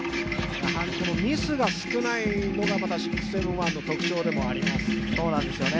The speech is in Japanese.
ミスが少ないのが６７１の特徴でもあります。